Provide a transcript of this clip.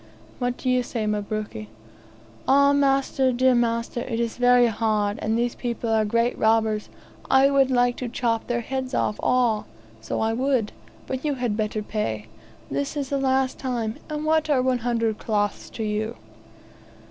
"What do you say, Mabruki?" "Ah, master, dear master; it is very hard, and these people are great robbers. I would like to chop their heads off, all; so I would. But you had better pay. This is the last time; and what are one hundred cloths to you?"